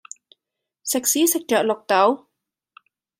食屎食著綠豆